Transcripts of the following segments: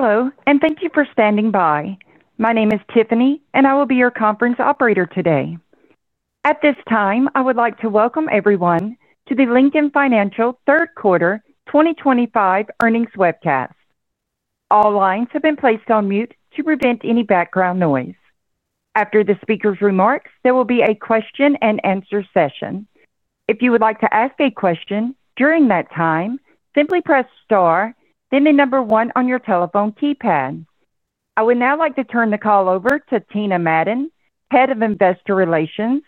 Hello and thank you for standing by. My name is Tiffany and I will be your conference operator today. At this time I would like to welcome everyone to the Lincoln Financial third quarter 2025 earnings webcast. All lines have been placed on mute to prevent any background noise. After the speaker's remarks, there will be a question and answer session. If you would like to ask a question during that time, simply press star then the number one on your telephone keypad. I would now like to turn the call over to Tina Madon, Head of Investor Relations.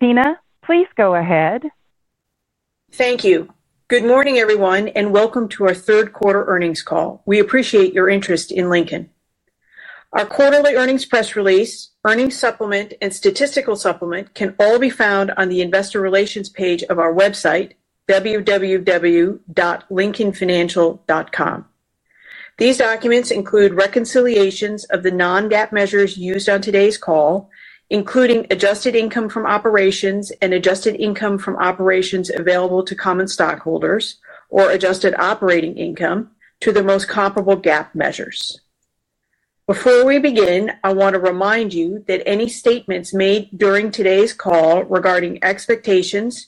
Tina, please go ahead. Thank you. Good morning everyone and welcome to our third quarter earnings call. We appreciate your interest in Lincoln. Our quarterly earnings press release, earnings supplement, and statistical supplement can all be found on the Investor Relations page of our website, www.lincolnfinancial.com. These documents include reconciliations of the non-GAAP measures used on today's call, including adjusted income from operations and adjusted income from operations available to common stockholders, or adjusted operating income, to the most comparable GAAP measures. Before we begin, I want to remind you that any statements made during today's call regarding expectations,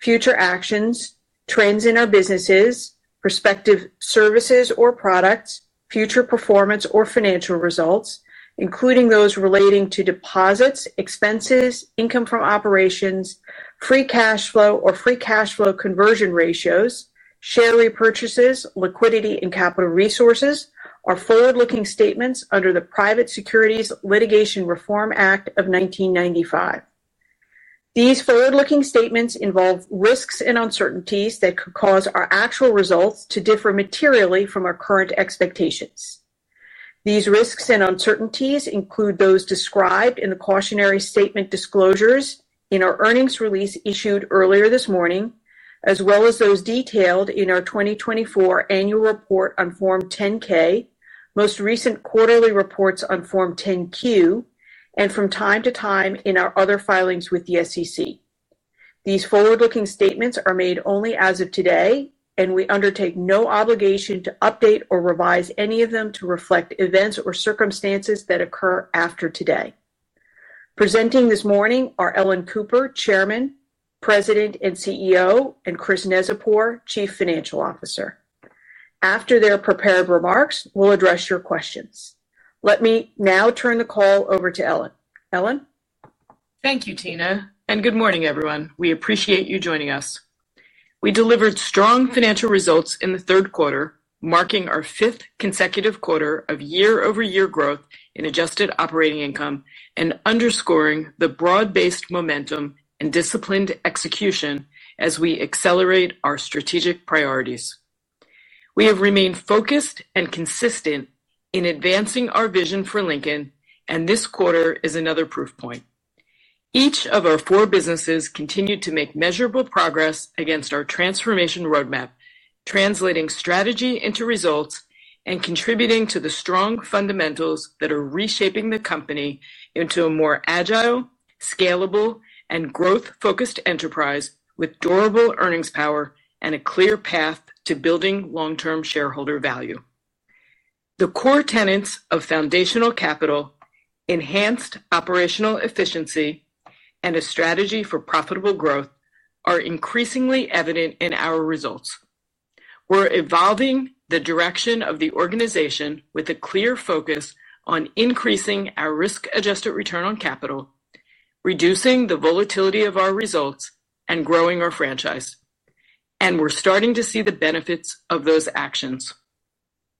future actions, trends in our businesses, prospective services or products, future performance or financial results, including those relating to deposits, expenses, income from operations, free cash flow or free cash flow conversion ratios, share repurchases, liquidity, and capital resources, are forward-looking statements under the Private Securities Litigation Reform Act of 1995. These forward-looking statements involve risks and uncertainties that could cause our actual results to differ materially from our current expectations. These risks and uncertainties include those described in the cautionary statement disclosures in our earnings release issued earlier this morning, as well as those detailed in our 2024 Annual Report on Form 10-K, most recent quarterly reports on Form 10-Q, and from time to time in our other filings with the SEC. These forward-looking statements are made only as of today and we undertake no obligation to update or revise any of them to reflect events or circumstances that occur after today. Presenting this morning are Ellen Cooper, Chairman, President, and CEO, and Christopher Neczypor, Chief Financial Officer. After their prepared remarks, we'll address your questions. Let me now turn the call over to Ellen. Ellen, Thank you, Tina, and good morning, everyone. We appreciate you joining us. We delivered strong financial results in the third quarter, marking our fifth consecutive quarter of year-over-year growth in adjusted operating income and underscoring the broad-based momentum and disciplined execution as we accelerate our strategic priorities. We have remained focused and consistent in advancing our vision for Lincoln, and this quarter is another proof point. Each of our four businesses continued to make measurable progress against our transformation roadmap, translating strategy into results and contributing to the strong fundamentals that are reshaping the company into a more agile, scalable, and growth-focused enterprise with durable earnings power and a clear path to building long-term shareholder value. The core tenets of foundational capital, enhanced operational efficiency, and a strategy for profitable growth are increasingly evident in our results. We're evolving the direction of the organization with a clear focus on increasing our risk-adjusted return on capital, reducing the volatility of our results, and growing our franchise, and we're starting to see the benefits of those actions.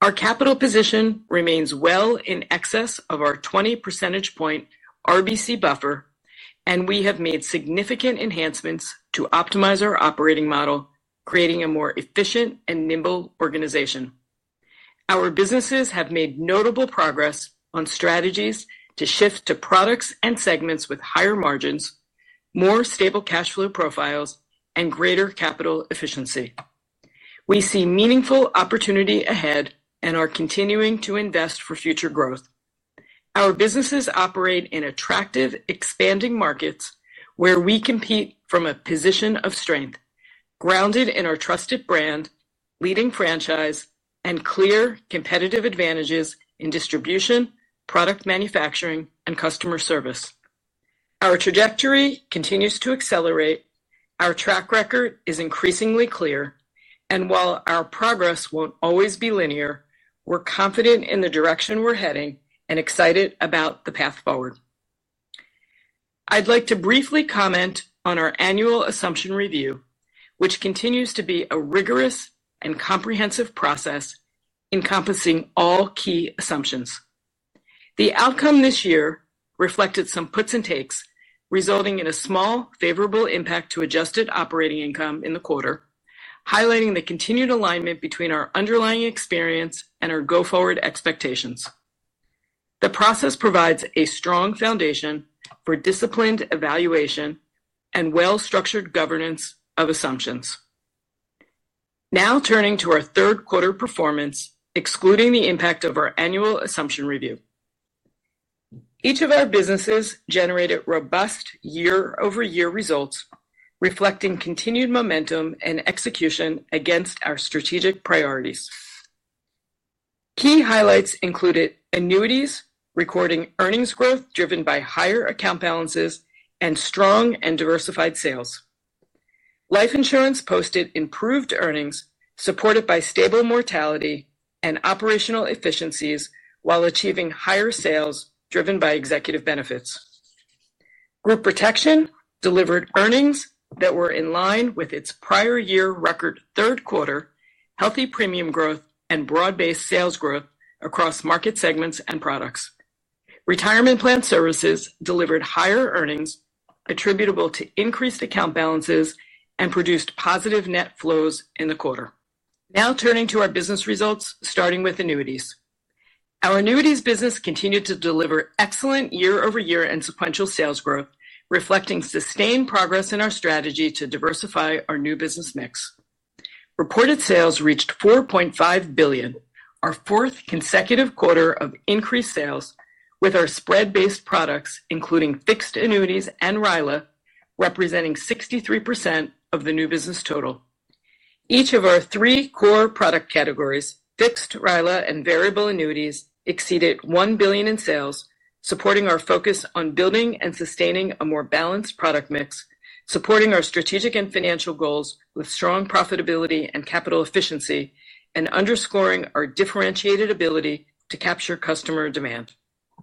Our capital position remains well in excess of our 20% RBC buffer, and we have made significant enhancements to. Optimize our operating model, creating a more. Efficient and nimble organization. Our businesses have made notable progress on strategies to shift to products and segments with higher margins, more stable cash flow profiles, and greater capital efficiency. We see meaningful opportunity ahead and are continuing to invest for future growth. Our businesses operate in attractive, expanding markets where we compete from a position of strength grounded in our trusted brand, leading franchise, and clear competitive advantages in distribution, product manufacturing, and customer service. Our trajectory continues to accelerate, our track record is increasingly clear, and while our progress won't always be linear, we're confident in the direction we're heading and excited about the path forward. I'd like to briefly comment on our annual Assumption Review, which continues to be a rigorous and comprehensive process encompassing all key assumptions. The outcome this year reflected some puts and takes, resulting in a small favorable impact to adjusted operating income in the quarter, highlighting the continued alignment between our underlying experience and our go forward expectations. The process provides a strong foundation for disciplined evaluation and well-structured governance of assumptions. Now turning to our third quarter performance, excluding the impact of our annual Assumption Review, each of our businesses generated robust year-over-year results reflecting continued momentum and execution against our strategic priorities. Key highlights included annuities recording earnings growth driven by higher account balances and strong and diversified sales. Life insurance posted improved earnings supported by stable mortality and operational efficiencies while achieving higher sales driven by executive benefits. Group protection delivered earnings that were in line with its prior year record, third quarter healthy premium growth, and broad-based sales growth across market segments and products. Retirement plan services delivered higher earnings attributable to increased account balances and produced positive net flows in the quarter. Now turning to our business results starting with annuities. Our annuities business continued to deliver excellent year-over-year and sequential sales growth, reflecting sustained progress in our strategy to diversify our new business mix. Reported sales reached $4.5 billion, our fourth consecutive quarter of increased sales, with our spread-based products including fixed annuities and RILA representing 63% of the new business total. Each of our three core product categories, fixed, RILA, and variable annuities, exceeded $1 billion in sales, supporting our focus on building and sustaining a more balanced product mix, supporting our strategic and financial goals with strong profitability and capital efficiency, and underscoring our differentiated ability to capture customer demand.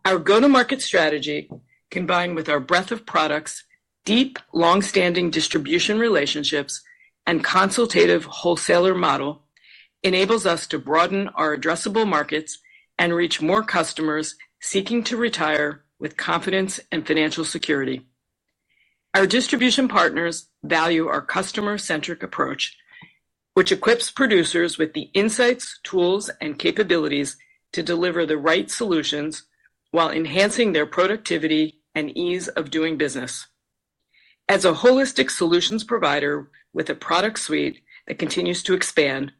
Our go-to-market strategy, combined with our breadth of products, deep long-standing distribution relationships, and consultative wholesaler model, enables us to broaden our addressable markets and reach more customers seeking to retire with confidence and financial security. Our distribution partners value our customer-centric approach, which equips producers with the insights, tools, and capabilities to deliver the right solutions while enhancing their productivity and ease of doing business. As a holistic solutions provider with a product suite that continues to expand,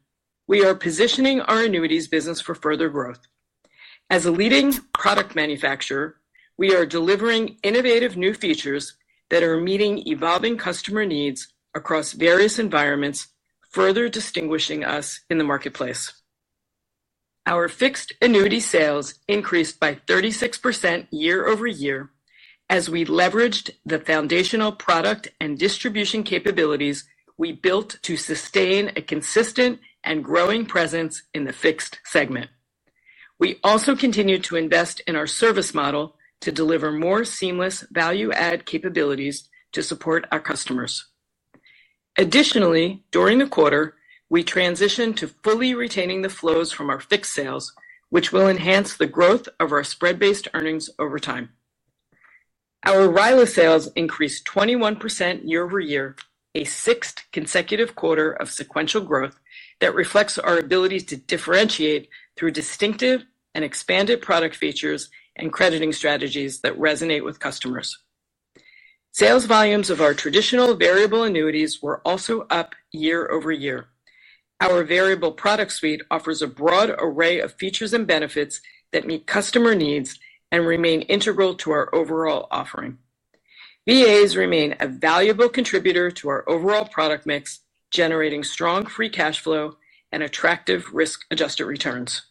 we are positioning our annuities business for further growth. As a leading product manufacturer, we are delivering innovative new features that are meeting evolving customer needs across various environments, further distinguishing us in the marketplace. Our fixed annuity sales increased by 36% year-over-year as we leveraged the foundational product and distribution capabilities we built to sustain a consistent and growing presence in the fixed segment. We also continue to invest in our service model to deliver more seamless value-add capabilities to support our customers. Additionally, during the quarter, we transitioned to fully retaining the flows from our fixed sales, which will enhance the growth of our spread-based earnings over time. Our RILA sales increased 21% year-over-year, a sixth consecutive quarter of sequential growth that reflects our ability to differentiate through distinctive and expanded product features and crediting strategies that resonate with customers. Sales volumes of our traditional variable annuities were also up year-over-year. Our variable product suite offers a broad array of features and benefits that meet customer needs and remain integral to our overall offering. VAs remain a valuable contributor to our overall product mix, generating strong free cash flow and attractive risk-adjusted returns.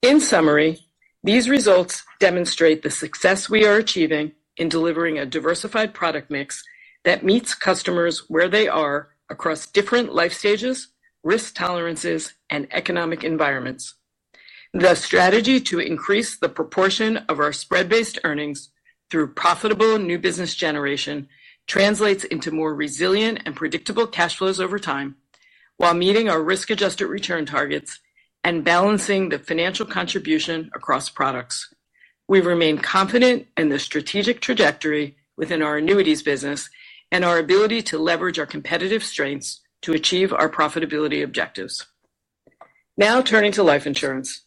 In summary, these results demonstrate the success we are achieving in delivering a diversified product mix that meets customers where they are across different life stages, risk tolerances, and economic environments. The strategy to increase the proportion of our spread-based earnings through profitable new business generation translates into more resilient and predictable cash flows over time. While meeting our risk-adjusted return targets and balancing the financial contribution across products, we remain confident in the strategic trajectory within our annuities business and our ability to leverage our competitive strengths to achieve our profitability objectives. Now turning to life insurance.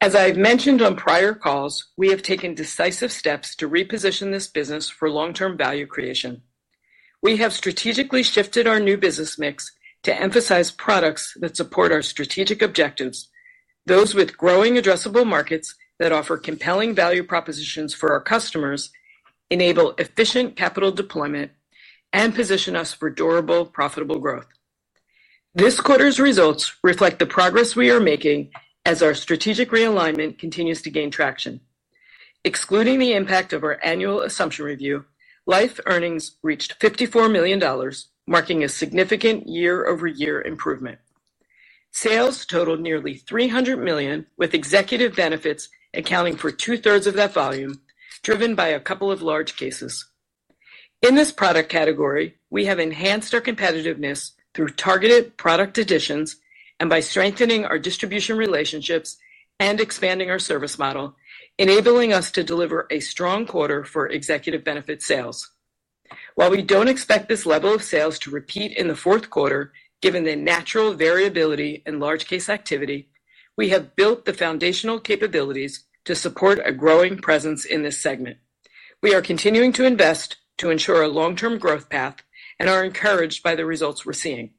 As I have mentioned on prior calls, we have taken decisive steps to reposition this business for long-term value creation. We have strategically shifted our new business mix to emphasize products that support our strategic objectives, those with growing addressable markets that offer compelling value propositions for our customers, enable efficient capital deployment, and position us for durable, profitable growth. This quarter's results reflect the progress we are making as our strategic realignment continues to gain traction. Excluding the impact of our annual assumption review, life earnings reached $54 million, marking a significant year-over-year improvement. Sales totaled nearly $300 million, with executive benefits accounting for two-thirds of that volume, driven by a couple of large cases in this product category. We have enhanced our competitiveness through targeted product additions and by strengthening our distribution relationships and expanding our service model, enabling us to deliver a strong quarter for executive benefit sales. While we don't expect this level of sales to repeat in the fourth quarter, given the natural variability in large case activity, we have built the foundational capabilities to support a growing presence in this segment. We are continuing to invest to ensure a long-term growth path and are encouraged by the results we're seeing.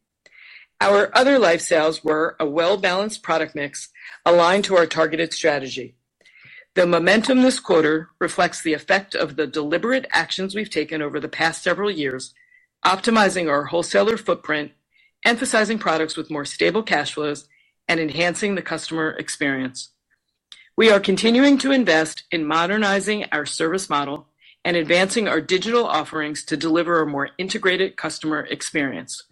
Our other life sales were a well-balanced product mix aligned to our targeted strategy. The momentum this quarter reflects the effect of the deliberate actions we've taken over the past several years, optimizing our wholesaler footprint, emphasizing products with more stable cash flows, and enhancing the customer experience. We are continuing to invest in modernizing our service model and advancing our digital offerings to deliver a more integrated customer experience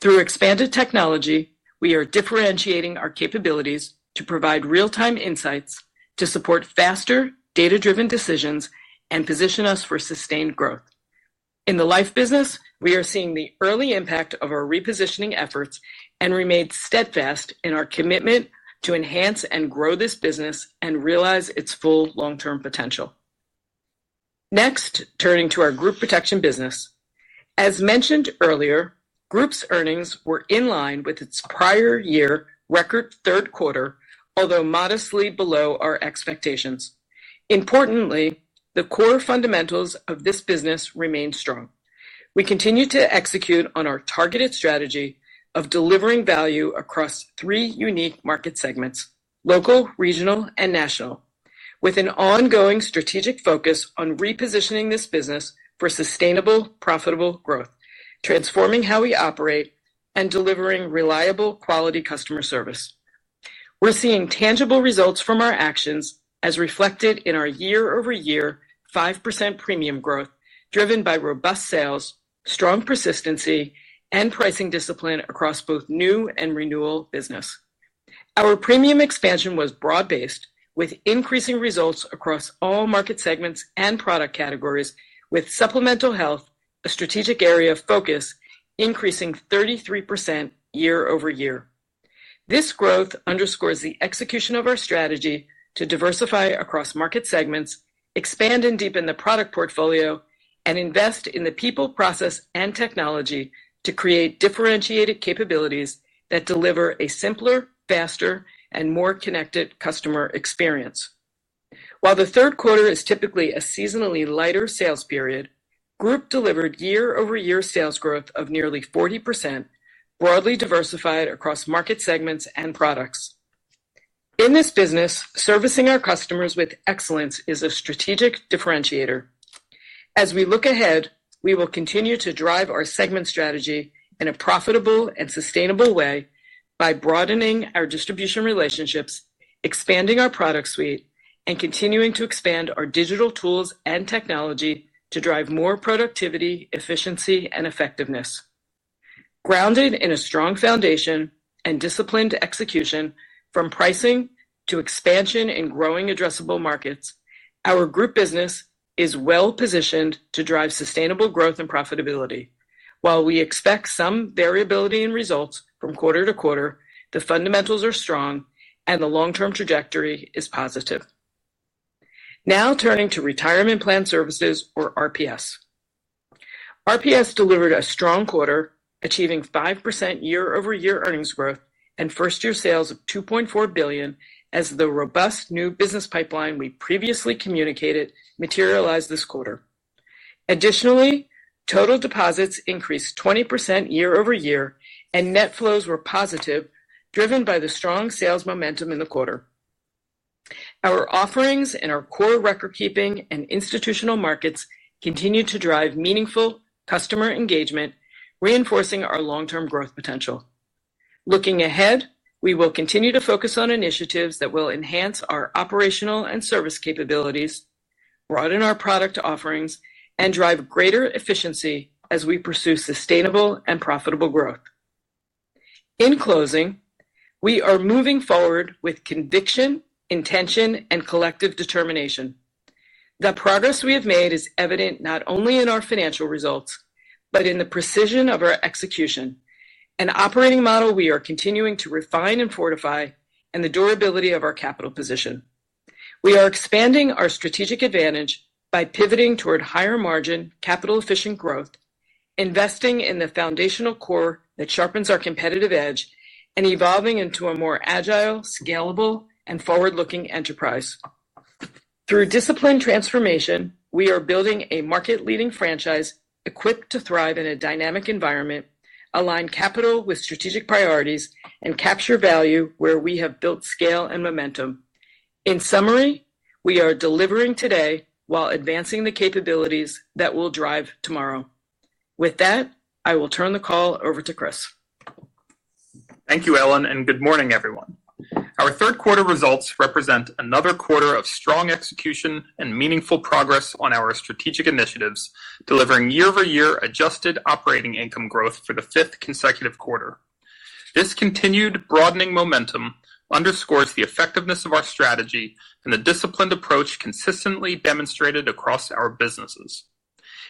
through expanded technology. We are differentiating our capabilities to provide real-time insights to support faster data-driven decisions and position us for sustained growth in the life business. We are seeing the early impact of our repositioning efforts and remain steadfast in our commitment to enhance and grow this business and realize its full long-term potential. Next, turning to our group protection business. As mentioned earlier, group's earnings were in line with its prior year record third quarter, although modestly below our expectations. Importantly, the core fundamentals of this business remain strong. We continue to execute on our targeted strategy of delivering value across three unique market segments: local, regional, and national, with an ongoing strategic focus on repositioning this business for sustainable, profitable growth, transforming how we operate, and delivering reliable, quality customer service. We're seeing tangible results from our actions as reflected in our year-over-year 5% premium growth, driven by robust sales, strong persistency, and pricing discipline across both new and renewal business. Our premium expansion was broad-based, with increasing results across all market segments and product categories. Supplemental health, a strategic area of focus, increased 33% year over year. This growth underscores the execution of our strategy to diversify across market segments, expand and deepen the product portfolio, and invest in the people, process, and technology to create differentiated capabilities that deliver a simpler, faster, and more connected customer experience. While the third quarter is typically a seasonally lighter sales period, group delivered year-over-year sales growth of nearly 40%, broadly diversified across market segments and products. In this business, servicing our customers with excellence is a strategic differentiator. As we look ahead, we will continue to drive our segment strategy in a profitable and sustainable way by broadening our distribution relationships, expanding our product suite, and continuing to expand our digital tools and technology to drive more productivity, efficiency, and effectiveness. Grounded in a strong foundation and disciplined execution, from pricing to expansion in growing addressable markets, our group business is well positioned to drive sustainable growth and profitability. While we expect some variability in results from quarter to quarter, the fundamentals are strong and the long-term trajectory is positive. Now turning to Retirement Plan Services, or RPS. RPS delivered a strong quarter, achieving 5% year-over-year earnings growth and first-year sales of $2.4 billion as the robust new business pipeline we previously communicated materialized this quarter. Additionally, total deposits increased 20% year-over-year and net flows were positive, driven by the strong sales momentum in the quarter. Our offerings in our core recordkeeping and institutional markets continue to drive meaningful customer engagement, reinforcing our long-term growth potential. Looking ahead, we will continue to focus on initiatives that will enhance our operational and service capabilities, broaden our product offerings, and drive greater efficiency as we pursue sustainable and profitable growth. In closing, we are moving forward with conviction, intention, and collective determination. The progress we have made is evident not only in our financial results but in the precision of our execution, an operating model we are continuing to refine and fortify, and the durability of our capital position. We are expanding our strategic advantage by pivoting toward higher margin, capital-efficient growth, investing in the foundational core that sharpens our competitive edge, and evolving into a more agile, scalable, and forward-looking enterprise. Through disciplined transformation, we are building a market-leading franchise equipped to thrive in a dynamic environment, align capital with strategic priorities, and capture value where we have built scale and momentum. In summary, we are delivering today while advancing the capabilities that will drive tomorrow. With that, I will turn the call over to Chris. Thank you, Ellen, and good morning, everyone. Our third quarter results represent another quarter of strong execution and meaningful progress on our strategic initiatives, delivering year-over-year adjusted operating income growth for the fifth consecutive quarter. This continued broadening momentum underscores the effectiveness of our strategy and the disciplined approach consistently demonstrated across our businesses.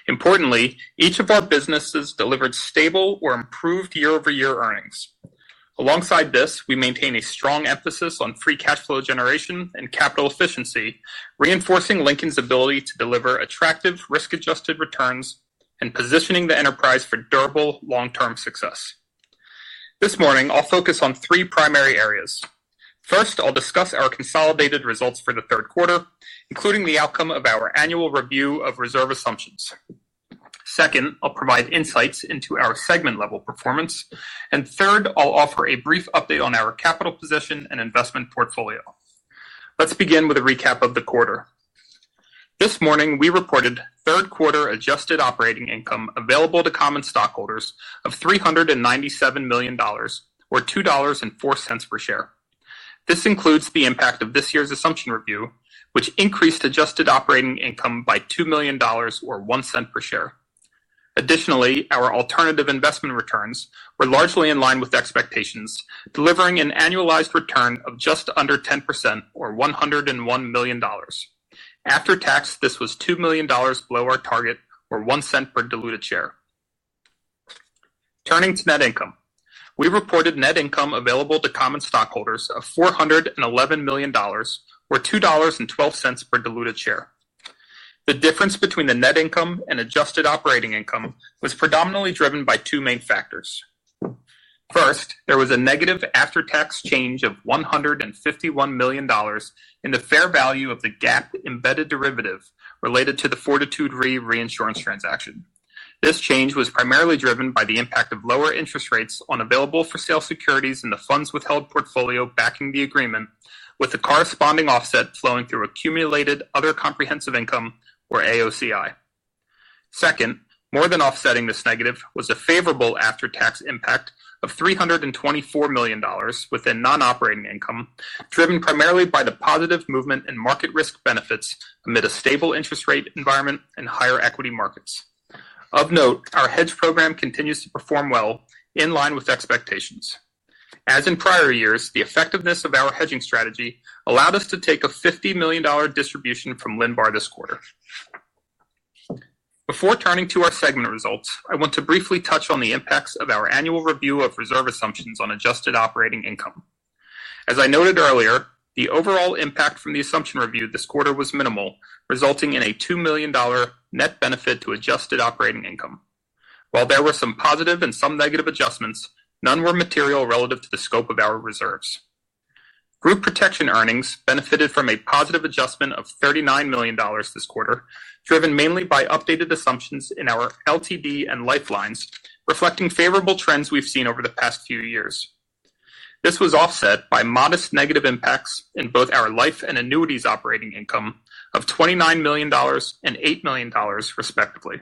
Importantly, each of our businesses delivered stable or improved year-over-year earnings. Alongside this, we maintain a strong emphasis on free cash flow generation and capital efficiency, reinforcing Lincoln's ability to deliver attractive risk-adjusted returns and positioning the enterprise for durable long-term success. This morning, I'll focus on three primary areas. First, I'll discuss our consolidated results for the third quarter, including the outcome of our annual review of reserve assumptions. Second, I'll provide insights into our segment-level performance, and third, I'll offer a brief update on our capital position and investment portfolio. Let's begin with a recap of the quarter. This morning, we reported third quarter adjusted operating income available to common stockholders of $397 million, or $2.04 per share. This includes the impact of this year's assumption review, which increased adjusted operating income by $2 million, or $0.01 per share. Additionally, our alternative investment returns were largely in line with expectations, delivering an annualized return of just under 10%, or $101 million after tax. This was $2 million below our target, or $0.01 per diluted share. Turning to net income, we reported net income available to common stockholders of $411 million, or $2.12 per diluted share. The difference between the net income and adjusted operating income was predominantly driven by two main factors. First, there was a negative after-tax change of $151 million in the fair value of the GAAP embedded derivative related to the Fortitude Re reinsurance transaction. This change was primarily driven by the impact of lower interest rates on available-for-sale securities in the funds withheld portfolio backing the agreement, with the corresponding offset flowing through accumulated other comprehensive income, or AOCI. Second, more than offsetting this negative was a favorable after-tax impact of $324 million within non-operating income, driven primarily by the positive movement in market amid a stable interest rate environment and higher equity markets. Of note, our hedge program continues to perform well in line with expectations. As in prior years, the effectiveness of our hedging strategy allowed us to take a $50 million distribution from Linbar this quarter. Before turning to our segment results, I want to briefly touch on the impacts of our annual review of reserve assumptions on adjusted operating income. As I noted earlier, the overall impact from the assumption review this quarter was minimal, resulting in a $2 million net. Benefit to adjusted operating income. While there were some positive and some negative adjustments, none were material relative to the scope of our reserves. Group Protection earnings benefited from a positive adjustment of $39 million this quarter, driven mainly by updated assumptions in our LTD and life lines reflecting favorable trends we've seen over the past few years. This was offset by modest negative impacts in both our life and annuities operating income of $29 million and $8 million, respectively.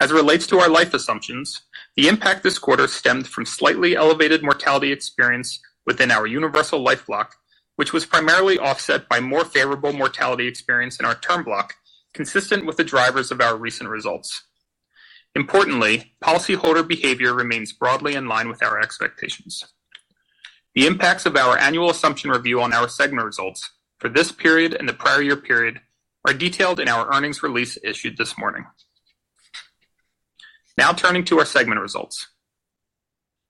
As it relates to our life assumptions, the impact this quarter stemmed from slightly elevated mortality experience within our universal life block, which was primarily offset by more favorable mortality experience in our term block, consistent with the drivers of our recent results. Importantly, policyholder behavior remains broadly in line with our expectations. The impacts of our annual Assumption Review on our segment results for this period and the prior year period are detailed in our earnings release issued this morning. Now turning to our segment results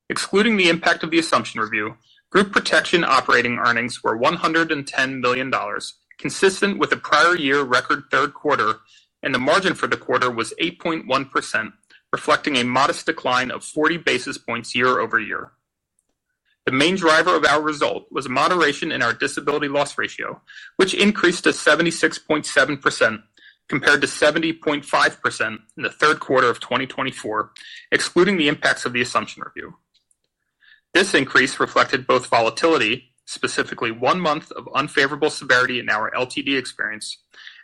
excluding the impact of the Assumption Review, Group Protection operating earnings were $110 million, consistent with the prior year record third quarter, and the margin for the quarter was 8.1%, reflecting a modest decline of 40 basis points. Basis points year over year. The main driver of our result was a moderation in our disability loss ratio, which increased to 76.7% compared to 70.5% in the third quarter of 2024, excluding the impacts of the Assumption Review. This increase reflected both volatility, specifically one month of unfavorable severity in our LTD experience,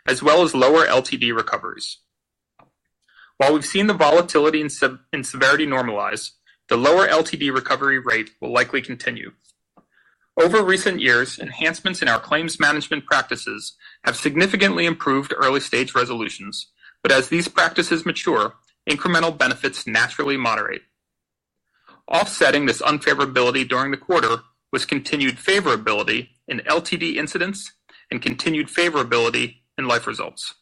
as well as lower LTD recoveries. While we've seen the volatility in severity normalize, the lower LTD recovery rate will likely continue. Over recent years, enhancements in our claims management practices have significantly improved early stage resolutions, but as these practices mature, incremental benefits naturally moderate. Offsetting this unfavorability during the quarter was continued favorability in LTD incidents and continued favorability in life results.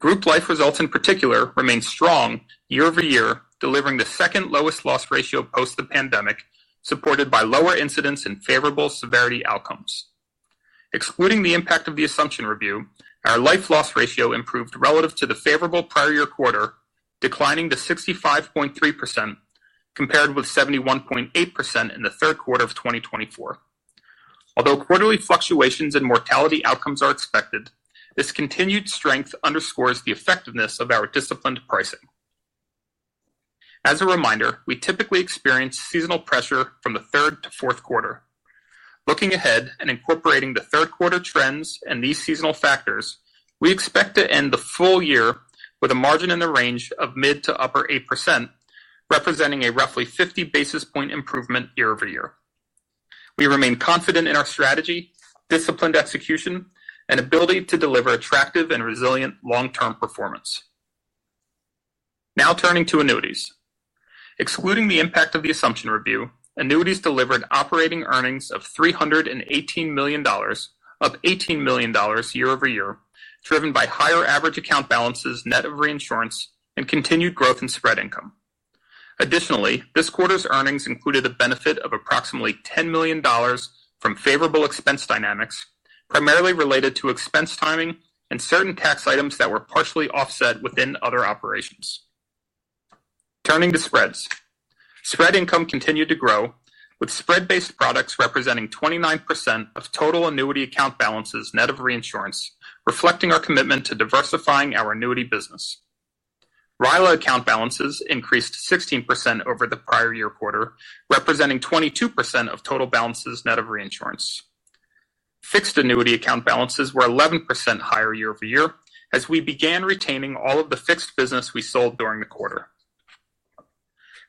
Group life results in particular remained strong year over year, delivering the second lowest loss ratio post the pandemic, supported by lower incidence and favorable severity outcomes. Excluding the impact of the Assumption Review, our life loss ratio improved relative to the favorable prior year quarter, declining to 65.3% compared with 71.8% in the third quarter of 2024. Although quarterly fluctuations in mortality outcomes are expected, this continued strength underscores the effectiveness of our disciplined pricing. As a reminder, we typically experience seasonal pressure from the third to fourth quarter. Looking ahead and incorporating the third quarter trends and these seasonal factors, we expect to end the full year with a margin in the range of mid to upper 8%, representing a roughly 50 basis point improvement year over year. We remain confident in our strategy, disciplined execution, and ability to deliver attractive and resilient long term performance. Now turning to annuities, excluding the impact of the Assumption Review, annuities delivered operating earnings of $318 million, up $18 million year over year, driven by higher average account balances net of reinsurance and continued growth in spread income. Additionally, this quarter's earnings included a benefit of approximately $10 million from favorable expense dynamics, primarily related to expense timing and certain tax items that were partially offset within other operations. Turning to spreads, spread income continued to grow, with spread based products representing 29% of total annuity account balances net of reinsurance. Reflecting our commitment to diversifying our annuity business, RILA account balances increased 16% over the prior year quarter, representing 22% of total balances net of reinsurance. Fixed annuity account balances were 11% higher year over year as we began retaining all of the fixed business we sold during the quarter.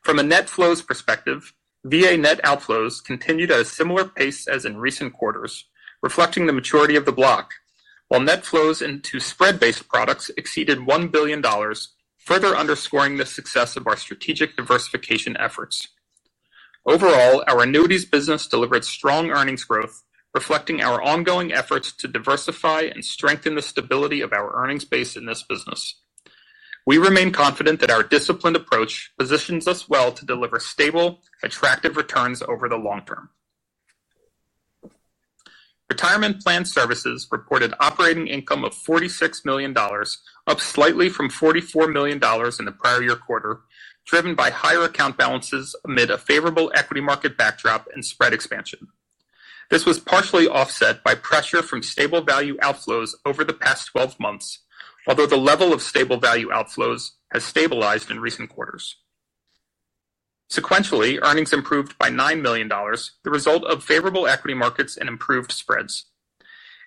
From a net flows perspective, VA net outflows continued at a similar pace as in recent quarters, reflecting the maturity of the block, while net flows into spread-based products exceeded $1 billion, further underscoring the success of our strategic diversification efforts. Overall, our annuities business delivered strong earnings growth, reflecting our ongoing efforts to diversify and strengthen the stability of our earnings base in this business. We remain confident that our disciplined approach positions us well to deliver stable, attractive returns over the long term. Retirement Plan Services reported operating income of $46 million, up slightly from $44 million in the prior year quarter, driven by higher account balances amid a favorable equity market backdrop and spread expansion. This was partially offset by pressure from stable value outflows over the past 12 months. Although the level of stable value outflows has stabilized in recent quarters, sequentially, earnings improved by $9 million, the result of favorable equity markets and improved spreads.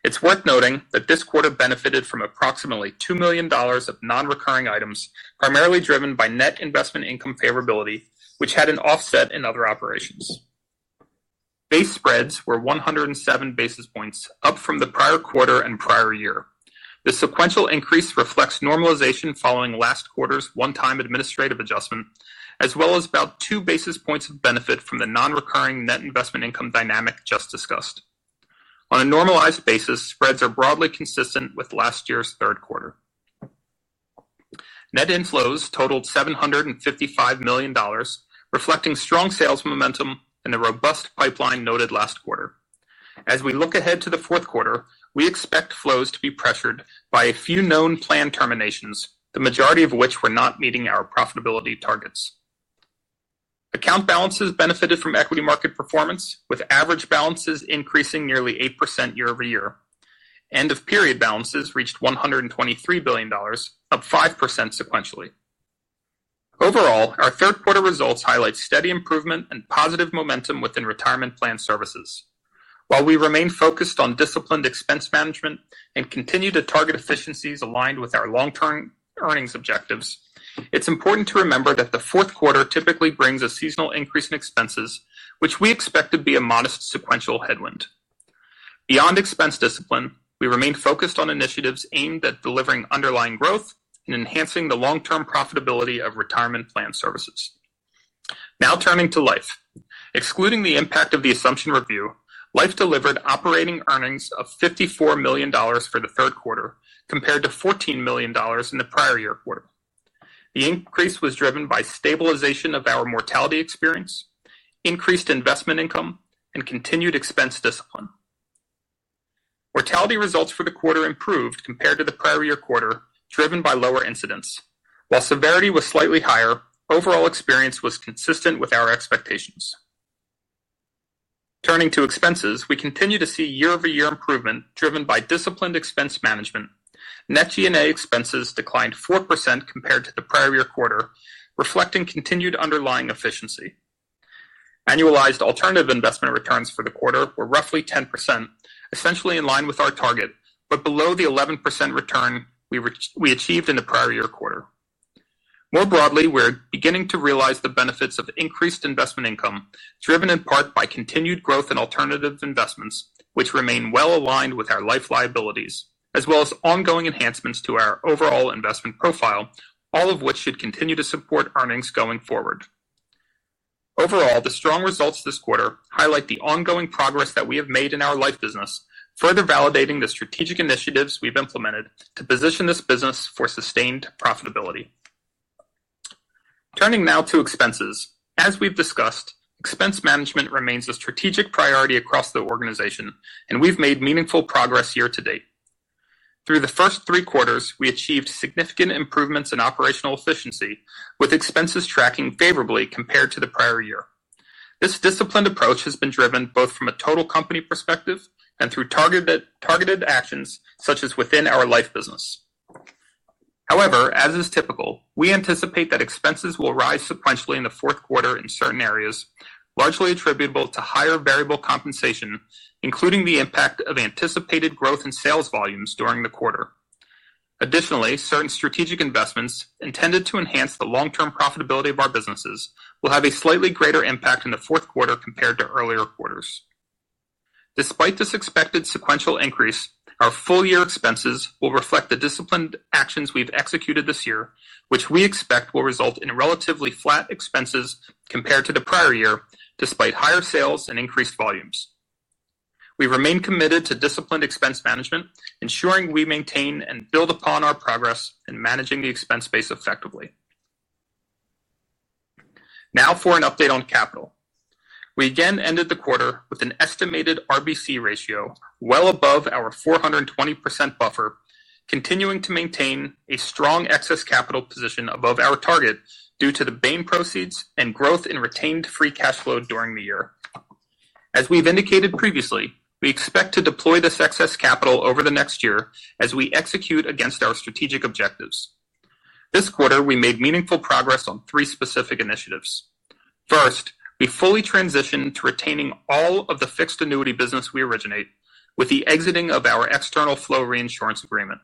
It's worth noting that this quarter benefited from approximately $2 million of non-recurring items, primarily driven by net investment income favorability, which had an offset in other operations. Base spreads were 107 basis points, up from the prior quarter and prior year. The sequential increase reflects normalization following last quarter's one-time administrative adjustment as well as about two basis points of benefit from the non-recurring net investment income dynamic just discussed. On a normalized basis, spreads are broadly consistent with last year's third quarter. Net inflows totaled $755 million, reflecting strong sales momentum and the robust pipeline noted last quarter. As we look ahead to the fourth quarter, we expect flows to be pressured by a few known planned terminations, the majority of which were not meeting our profitability targets. Account balances benefited from equity market performance, with average balances increasing nearly 8% year over year. End of period balances reached $123 billion, up 5% sequentially. Overall, our third quarter results highlight steady improvement and positive momentum within retirement plan services. While we remain focused on disciplined expense management and continue to target efficiencies aligned with our long term earnings objectives, it's important to remember that the fourth quarter typically brings a seasonal increase in expenses, which we expect to be a modest sequential headwind. Beyond expense discipline, we remain focused on initiatives aimed at delivering underlying growth and enhancing the long term profitability of retirement plan services. Now turning to Life. Excluding the impact of the assumption review, Life delivered operating earnings of $54 million for the third quarter compared to $14 million in the prior year quarter. The increase was driven by stabilization of our mortality experience, increased investment income, and continued expense discipline. Mortality results for the quarter improved compared to the prior year quarter, driven by lower incidence while severity was slightly higher. Overall experience was consistent with our expectations. Turning to expenses, we continue to see year over year improvement driven by disciplined expense management. Net G&A expenses declined 4% compared to the prior year quarter, reflecting continued underlying efficiency. Annualized alternative investment returns for the quarter were roughly 10%, essentially in line with our target, but below the 11% return we achieved in the prior year quarter. More broadly, we're beginning to realize the benefits of increased investment income driven in part by continued growth in alternative investments, which remain well aligned with our Life. Liabilities as well as ongoing enhancements to. Our overall investment profile, all of which should continue to support earnings going forward. Overall, the strong results this quarter highlight the ongoing progress that we have made in our life business, further validating the strategic initiatives we've implemented to position this business for sustained profitability. Turning now to expenses, as we've discussed, expense management remains a strategic priority across the organization, and we've made meaningful progress year to date. Through the first three quarters, we achieved significant improvements in operational efficiency, with expenses tracking favorably compared to the prior year. This disciplined approach has been driven both from a total company perspective and through. Targeted actions such as within our life business. However, as is typical, we anticipate that expenses will rise sequentially in the fourth quarter in certain areas, largely attributable to higher variable compensation, including the impact of anticipated growth in sales volumes during the quarter. Additionally, certain strategic investments intended to enhance the long-term profitability of our businesses will have a slightly greater impact in the fourth quarter compared to earlier quarters. Despite this expected sequential increase, our full-year expenses will reflect the disciplined actions we've executed this year, which we expect will result in relatively flat expenses compared to the prior year. Despite higher sales and increased volumes, we remain committed to disciplined expense management, ensuring we maintain and build upon our progress in managing the expense base effectively. Now for an update on capital. We again ended the quarter with an estimated RBC ratio well above our 420% buffer, continuing to maintain a strong excess capital position above our target due to the Bain proceeds and growth in retained free cash flow during the year. As we've indicated previously, we expect to deploy this excess capital over the next year as we execute against our strategic objectives. This quarter, we made meaningful progress on three specific initiatives. First, we fully transitioned to retaining all of the fixed annuity business we originate with the exiting of our external flow reinsurance agreement.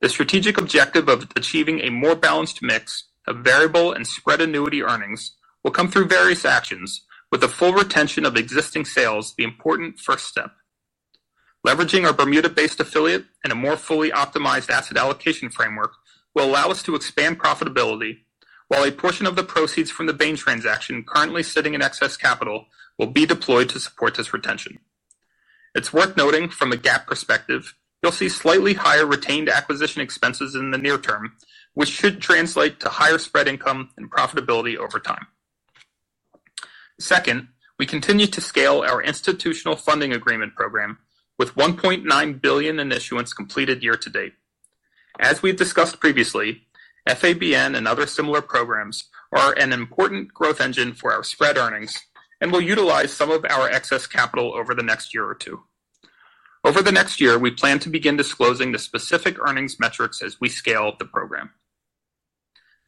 The strategic objective of achieving a more balanced mix of variable and spread annuity earnings will come through various actions, with the full retention of existing sales. The important first step, leveraging our Bermuda-based affiliate and a more fully optimized asset allocation framework, will allow us to expand profitability while a portion of the proceeds from the Bain transaction currently sitting in excess capital will be deployed to support this retention. It's worth noting from a GAAP perspective, you'll see slightly higher retained acquisition expenses in the near term, which should translate to higher spread income and profitability over time. Second, we continue to scale our Institutional Funding Agreement program with $1.9 billion in issuance completed year to date. As we've discussed previously, FABN and other similar programs are an important growth engine for our spread earnings and will utilize some of our excess capital over the next year or two. Over the next year, we plan to begin disclosing the specific earnings metrics as. We scale the program.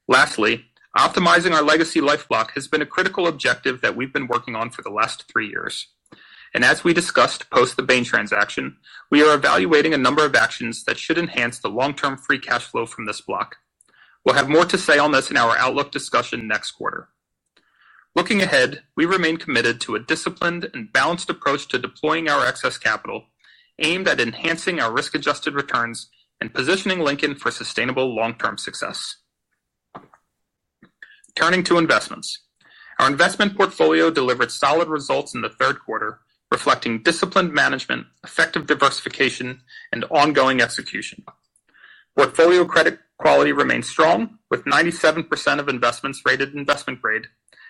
Lastly, optimizing our legacy life block has been a critical objective that we've been working on for the last three years, and as we discussed post the Bain transaction, we are evaluating a number of actions that should enhance the long term free cash flow generation. Cash flow from this block. We'll have more to say on this in our outlook discussion next quarter. Looking ahead, we remain committed to a disciplined and balanced approach to deploying our excess capital aimed at enhancing our risk-adjusted returns and positioning Lincoln for sustainable long-term success. Turning to investments, our investment portfolio delivered solid results in the third quarter, reflecting disciplined management, effective diversification, and ongoing execution. Portfolio credit quality remains strong with 97% of investments rated investment grade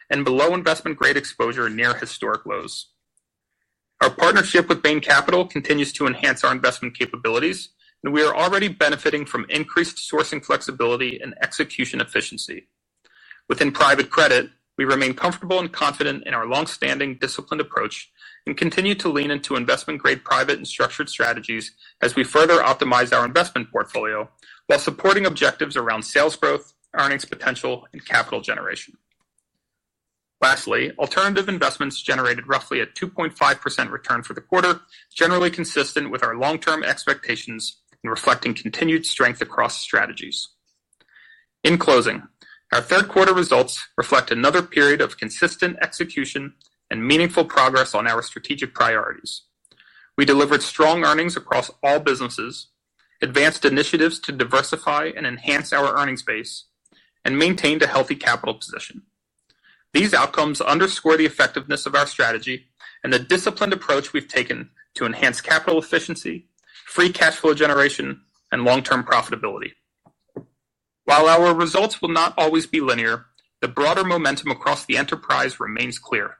and below investment grade exposure near historic lows. Our partnership with Bain Capital continues to enhance our investment capabilities, and we are already benefiting from increased sourcing flexibility and execution efficiency within private credit. We remain comfortable and confident in our long-standing, disciplined approach and continue to lean into investment grade private and structured strategies as we further optimize our investment portfolio while supporting objectives around sales growth, earnings potential, and capital generation. Lastly, alternative investments generated roughly a 2.5% return for the quarter, generally consistent with our long-term expectations and reflecting continued strength across strategies. In closing, our third quarter results reflect another period of consistent execution and meaningful progress on our strategic priorities. We delivered strong earnings across all businesses, advanced initiatives to diversify and enhance our earnings base, and maintained a healthy capital position. These outcomes underscore the effectiveness of our strategy and the disciplined approach we've taken to enhance capital efficiency, free cash flow generation, and long-term profitability. While our results will not always be linear, the broader momentum across the enterprise remains clear.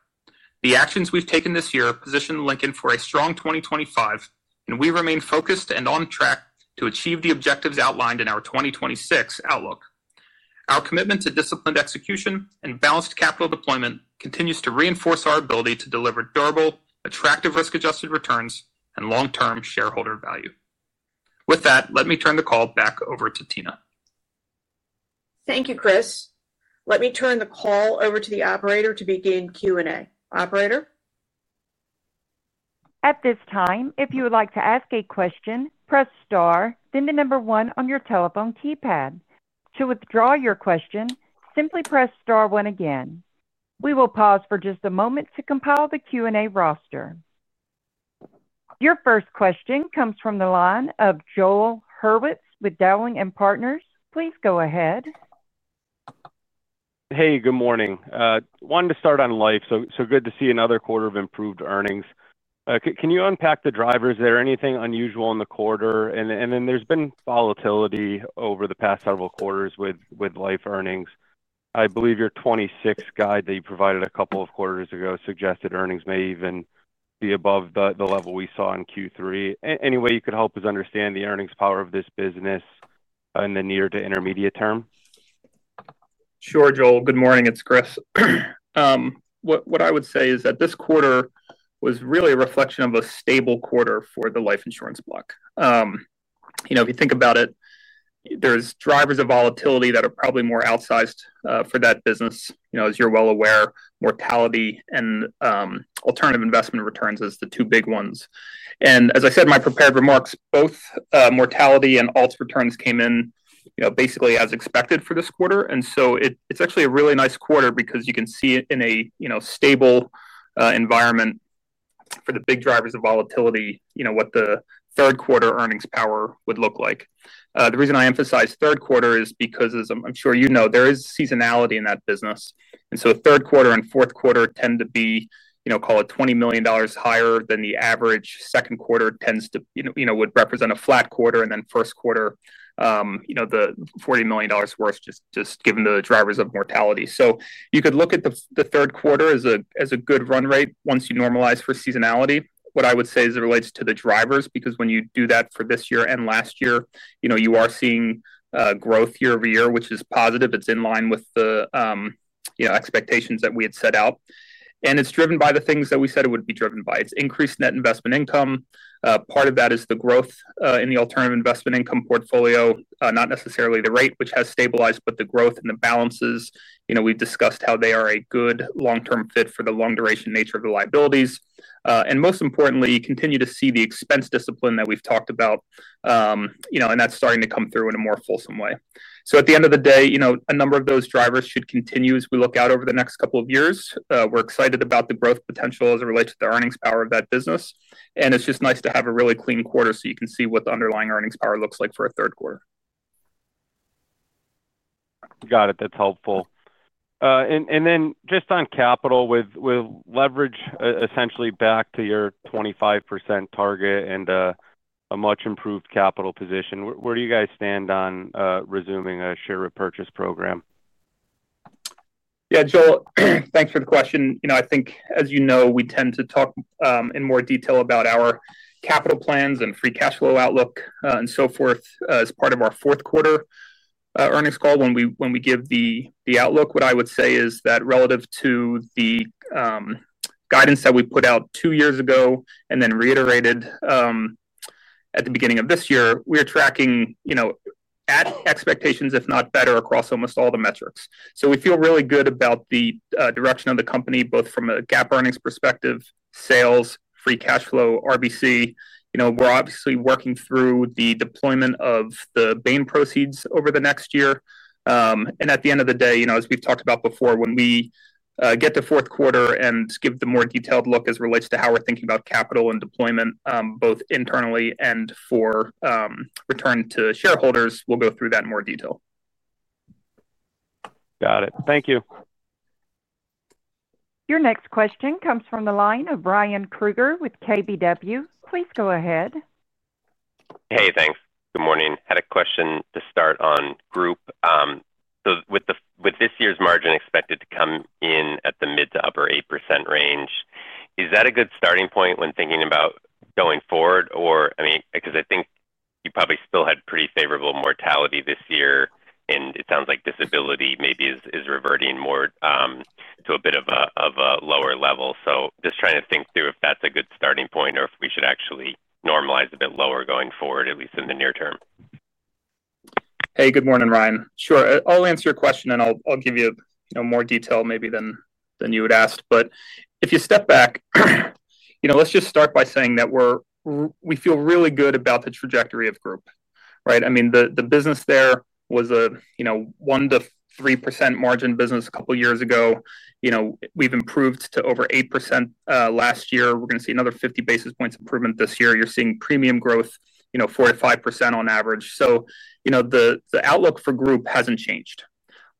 The actions we've taken this year position Lincoln National Corporation for a strong 2025, and we remain focused and on track to achieve the objectives outlined in our 2026 outlook. Our commitment to disciplined execution and balanced capital deployment continues to reinforce our ability to deliver durable, attractive risk-adjusted returns and long-term shareholder value. With that, let me turn the call. Back over to Tina. Thank you, Chris. Let me turn the call over to the operator to begin Q&A. Operator, at this time, if you would like to ask a question, press star, then the number one on your telephone keypad. To withdraw your question, simply press star one again. We will pause for just a moment to compile the Q&A roster. Your first question comes from the line of Joel Hurwitz with Dowling & Partners. Please go ahead. Hey, good morning. Wanted to start on Life. Good to see another quarter of improved earnings. Can you unpack the drivers? Is there anything unusual in the quarter? There has been volatility over the past several quarters with Life earnings. I believe your 2026 guide that you provided a couple of quarters ago suggested earnings may even be above the level we saw in Q3. Any way you could help us understand the earnings power of this business in the near to intermediate term? Sure. Joel, good morning, it's Chris. What I would say is that this quarter was really a reflection of a stable quarter for the life insurance block. If you think about it, there's drivers of volatility that are probably more outsized for that business. As you're well aware, mortality and alternative investment returns are the two big ones. As I said in my prepared remarks. Both mortality and alts returns came in. Basically as expected for this quarter. It's actually a really nice quarter because you can see in a stable environment for the big drivers of volatility, you know what the third quarter earnings power would look like. The reason I emphasize third quarter is because as I'm sure you know, there is seasonality in that business. Third quarter and fourth quarter tend to be, you know, call it. $20 million higher than the average second quarter tends to, you know, would represent a flat quarter, and then first quarter, you know, the $40 million worth just given the drivers of mortality. You could look at the third. Quarter as a good run rate once you normalize for seasonality. What I would say is it relates to the drivers because when you do that for this year and last year, you are seeing growth year over year, which is positive. It's in line with the expectations that we had set out. It is driven by the things that matter most. We said it would be driven by its increased net investment income. Part of that is the growth in the alternative investment income portfolio, not necessarily the rate, which has stabilized, but the growth in the balances. We've discussed how they are a good long-term fit for the long duration nature of the liabilities. Most importantly, you continue to see. The expense discipline that we've talked about is starting to come through in a more fulsome way. At the end of the day, a number of those drivers should continue. As we look out over the next couple of years, we're excited about the growth potential as it relates to the earnings power of that business. It's just nice to have a really clean quarter so you can see what the underlying earnings power looks like. For the third quarter. Got it. That's helpful. Just on capital with leverage, essentially back to your 25% target and a much improved capital position, where do you guys stand on resuming a share repurchase program? Yeah, Joel, thanks for the question. I think as you know, we tend to talk in more detail about our capital plans and free cash flow outlook and so forth as part of our. Fourth quarter earnings call. When we give the, the. Outlook, what I would say is that relative to the guidance that we put out two years ago and then reiterated at the beginning of this year, we're tracking at expectations, if not better, across almost all the metrics. We feel really good about the direction of the company, both from a GAAP earnings perspective, sales, free cash flow, RBC. We're obviously working through the deployment of the Bain proceeds over the next year. At the end of the day, as we've talked about before, when we get to fourth quarter and give the more detailed look as it relates to how we're thinking about capital and deployment both internally and for return to shareholders, we'll go through that in more detail. Got it. Thank you. Your next question comes from the line of Ryan Krueger with KBW. Please go ahead. Hey, thanks. Good morning. Had a question to start on group. With this year's margin expected to come in at the mid to upper 8% range, is that a good starting point when thinking about going forward? I think you probably still had pretty favorable mortality this year, and it sounds like disability maybe is reverting more to a bit of a lower level. Just trying to think through if that's a good starting point or if we should actually normalize a bit lower going forward, at least in the near term. Hey, good morning, Ryan. Sure, I'll answer your question. Give you more detail, maybe than you had asked. If you step back, let's just. Start by saying that we feel really. Good about the trajectory of group, right? I mean, the business, there was a 1% to 3% margin business a couple years ago. You know, we've improved to over 8% last year. We're going to see another 50 basis points improvement this year. You're seeing premium growth, you know, 4% to 5% on average. The outlook for group hasn't changed.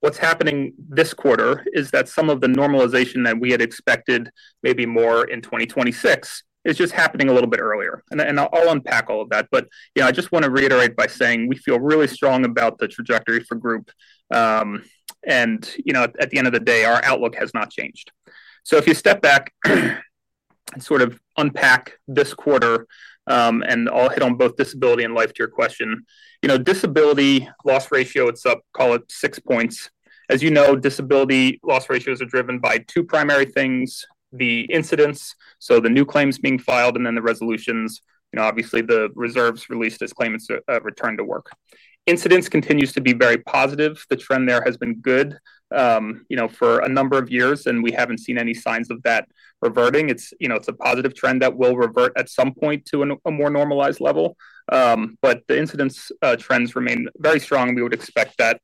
What's happening this quarter is that some of the normalization that we had expected, maybe more in 2026, is just happening a little bit earlier. I'll unpack all of that. I just want to reiterate by saying we feel really strong about the trajectory for group. At the end of the day, our outlook has not changed. If you step back and sort. I'll unpack this quarter and I'll hit on both disability and life to your question. You know, disability loss ratio, it's. Up, call it 6 points. As you know, disability loss ratios are driven by two primary things: the incidence, so the new claims being filed, and then the resolutions, obviously the reserves released as claimants return to work. Incidence continues to be very positive. The trend there has been good for a number of years, and we haven't seen any signs of that reverting. It's a positive trend that will revert at some point too. A more normalized level. The incidence trends remain very strong. We would expect that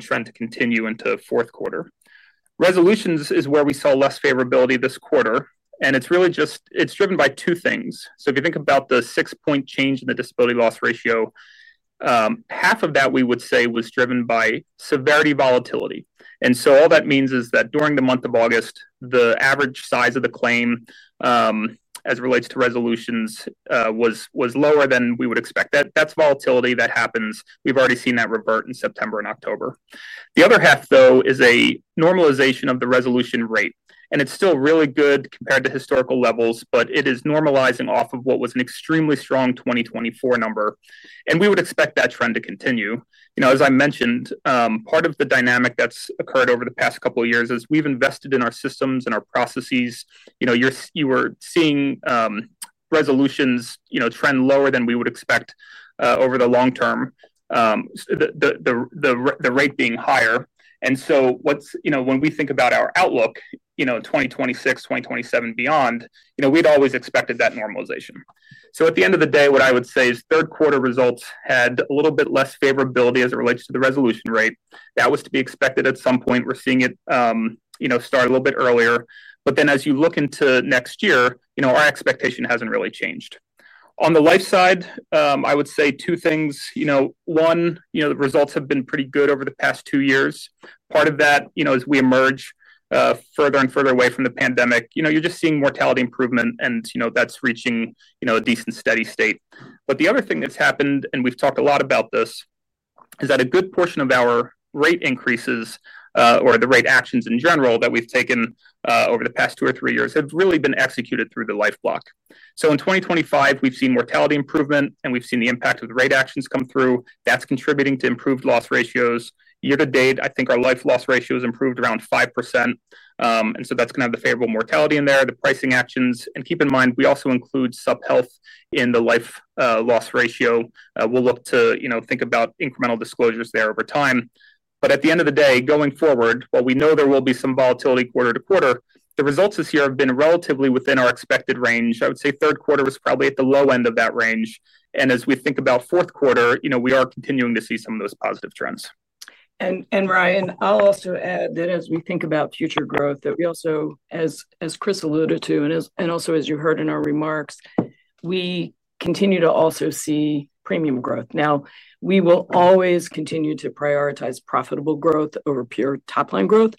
trend to continue. Into fourth quarter resolutions is where we. Saw less favorability this quarter. It's really just driven by two things. If you think about the 6% change in the disability loss ratio, half of that was driven by severity volatility. All that means is that during the month of August, the average size of the claim as it relates to resolutions was lower than we would expect. That's volatility that happens. We've already seen that revert in September and October. The other half is a normalization of the resolution rate, and it's still really good compared to historical levels, but it is normalizing off of what was an extremely strong 2024 number. We would expect that trend to continue. As I mentioned, part of the dynamic that's occurred over the past couple of years is we've invested in our systems and our processes. You were seeing resolutions trend lower than we would expect over the long term, the rate being higher. When we think about our outlook, 2026, 2027 and beyond, we'd always expected that normalization. At the end of the day. What I would say is third quarter. Results had a little bit less favorability as it relates to the resolution rate. That was to be expected at some point. We're seeing it start a little bit earlier. As you look into next. Year, our expectation hasn't really changed. On the life side, I would say two things. One, the results have been pretty good over the past two years. Part of that, as we emerge further and further away from the pandemic, you're just seeing mortality improvement, and that's reaching a decent steady state. The other thing that's happened. We've talked a lot about this. That a good portion of our rate. Increases or the rate actions in general that we've taken over the past two or three years have really been executed through the legacy life block. In 2025, we've seen mortality improvement and we've seen the impact of the rate actions come through that's contributing to improved loss ratios year to date. I think our life loss ratios improved around 5%, and that's going to have the favorable mortality in there, the pricing actions. Keep in mind, we also include. Supplemental health in the life loss ratio. We'll look to think about incremental disclosures there over time. At the end of the day. Going forward, while we know there will. be some volatility quarter to quarter. The results this year have been relatively. Within our expected range. I would say third quarter was probably. At the low end of that range, as we think about fourth quarter, we are continuing to see some of those positive trends. Ryan, I'll also add that as we think about future growth, as Chris alluded to and as you heard in our remarks, we continue to also see premium growth. We will always continue to prioritize. Profitable growth over pure top line growth.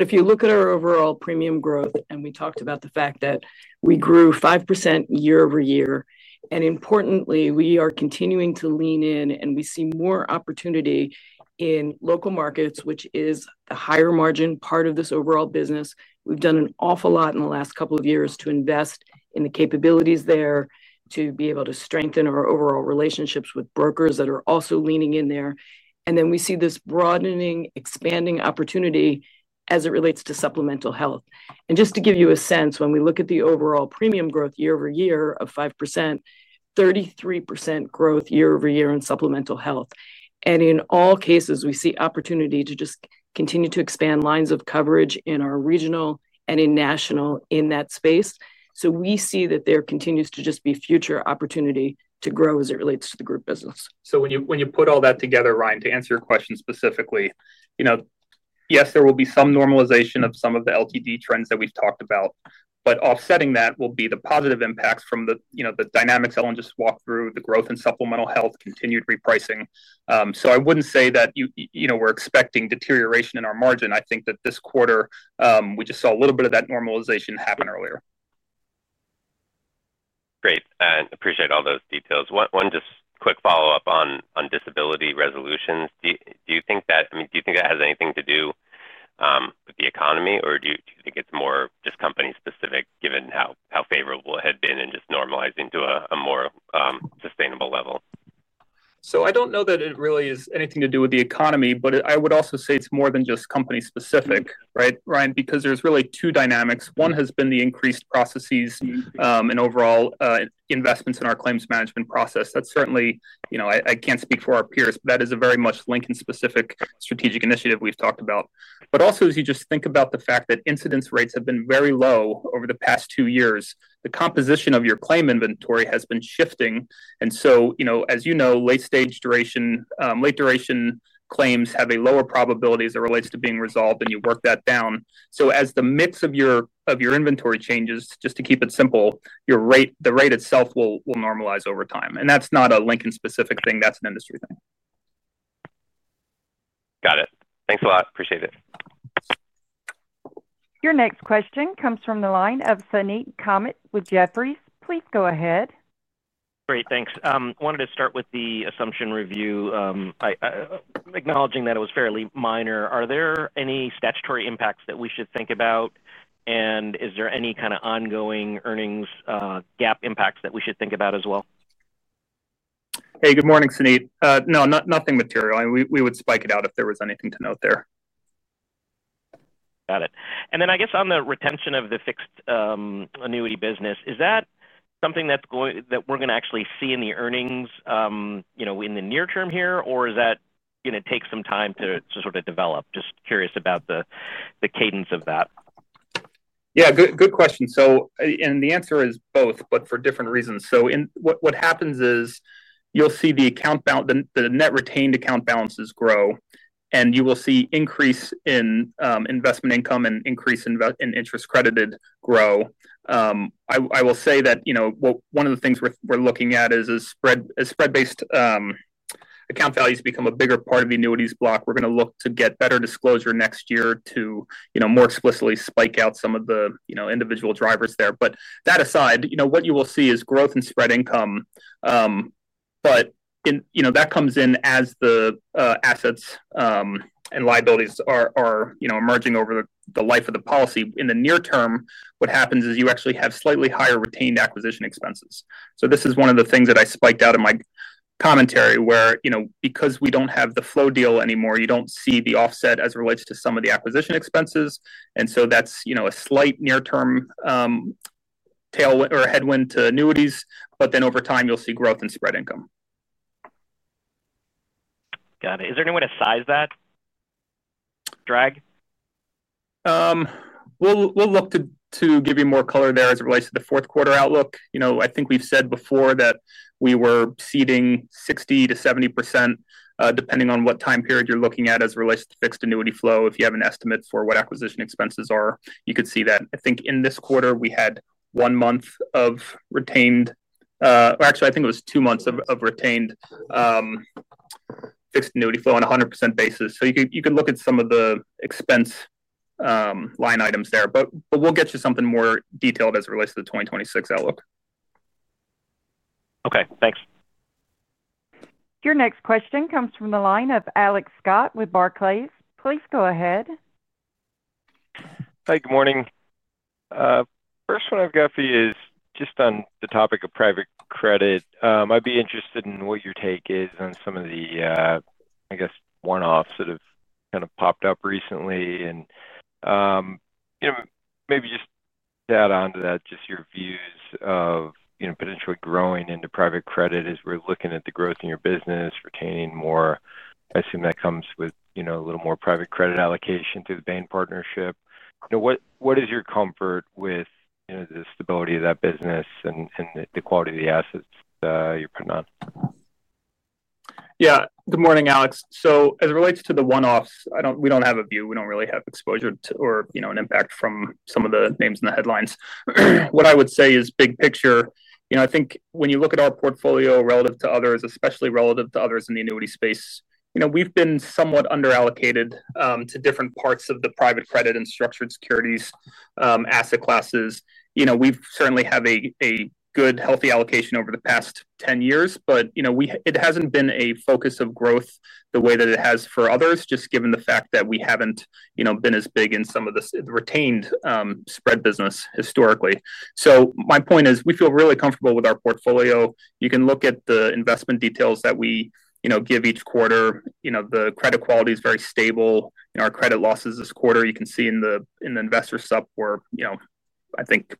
If you look at our overall. Premium growth, and we talked about the. Fact that we grew 5% year over. Year and importantly we are continuing to lean in and we see more opportunity in local markets, which is the higher margin part of this overall business. We've done an awful lot in the last couple of years to invest in the capabilities there to be able to strengthen our overall relationships with brokers that are also leaning in there. We see this broadening, expanding opportunity as it relates to supplemental health. Just to give you a sense, when we look at the overall premium growth year over year of 5%, 33% growth year over year in supplemental health, and in all cases we see opportunity to just continue to expand lines of coverage in our regional and in national in that space. We see that there continues to just be future opportunity to grow as. It relates to the group protection business. When you put all that together, Ryan, to answer your question specifically, yes, there will be some normalization of some of the LTD trends that we've talked about, but offsetting that will be the positive impacts from the dynamics Ellen just walked through, the growth in supplemental health, and continued repricing. I wouldn't say that we're expecting deterioration in our margin. I think that this quarter we just saw a little bit of that normalization happen earlier. Great. Appreciate all those details. One quick follow-up on disability resolutions. Do you think that has anything to do with the economy, or do you think it's more just company specific given how favorable it had been and just normalizing to a more sustainable level? I don't know that it really is anything to do with the economy, but I would also say it's more than just company specific, right, Ryan? There's really two dynamics. One has been the increased processes and overall investments in our claims management process that certainly, you know, I can't speak for our peers. That is a very much Lincoln specific strategic initiative we've talked about. As you just think about. The fact that incidence rates have been very low over the past two years, the composition of your claim inventory has been shifting. As you know, late duration claims have a lower probability as it relates to being resolved, and you work that down. As the mix of your inventory changes, just to keep it simple, the rate itself will normalize over time. That's not a Lincoln specific thing, that's an industry thing. Got it. Thanks a lot, appreciate it. Your next question comes from the line of Suneet Kamath with Jefferies. Please go ahead. Great, thanks. Wanted to start with the assumption review, acknowledging that it was fairly minor. Are there any statutory impacts that we should think about, and is there any kind of ongoing earnings gap impacts that we should think about as well? Hey, good morning Suneet. No, nothing material. We would spike it out if there was anything to note there. Got it. I guess on the retention of the fixed annuity business, is that something that we're going to actually see in the earnings in the near term here, or is that going to take some time to sort of develop? Just curious about the cadence of that. Good question. The answer is both, but for different reasons. What happens is you'll see the account, the net retained account balances grow, and you will see increase in investment income and increase in interest credited grow. I will say that one of the things we're looking at is as spread based account values become a bigger part of the annuities block, we're going to look to get better disclosure next year to more explicitly spike out some of the individual drivers there. That aside, what you will see is growth in spread income, but that comes in as the assets and liabilities are emerging over the life of the policy. In the near term, what happens is you actually have slightly higher retained acquisition expenses. This is one of the things. That I spiked out of my commentary. Because we don't have the flow deal anymore, you don't see the offset as it relates to some of the acquisition expenses. That's a slight near-term tailwind or headwind to annuities, but over time you'll see growth in spread income. Got it. Is there any way to size that drag? will look to give you more color. There as it relates to the fourth quarter outlook. I think we've said before that we were seeding 60% to 70% depending on what time period you're looking at as it relates to fixed annuity flow. If you have an estimate for what acquisition expenses are, you could see that I think in this quarter we had. One month of retained. I think it was two months of retained fixed annuity flow on 100% basis. You can look at some of the expense line items there. We'll get you something more detailed as it relates to the 2026 outlook. Okay, thanks. Your next question comes from the line of Alex Scott with Barclays. Please go ahead. Hi, good morning. First one I've got for you is just on the topic of private credit. I'd be interested in what your take is on some of the, I guess, one-offs that have kind of popped up recently. Maybe just to add on to that, just your views of potentially growing into private credit. As we're looking at the growth in your business, retaining more, I assume that comes with a little more private credit allocation through the Bain partnership. What is your comfort with the stability of that business and the quality of the assets you're putting on? Yeah. Good morning, Alex. As it relates to the one offs, we don't have a view, we don't really have exposure or an impact from some of the names in the headlines. What I would say is big picture. I think when you look at our portfolio relative to others, especially relative to others in the annuity space, we've been somewhat under allocated to different parts of the private credit and structured securities asset classes. We certainly have a good healthy allocation over the past 10 years, but it hasn't been a focus of growth the way that it has for others, just given the fact that we haven't been as big in some of the retained spread business historically. My point is we feel really. Comfortable with our portfolio. You can look at the investment details that we give each quarter. The credit quality is very stable. Our credit losses this quarter you can see in the investor supp were, I think,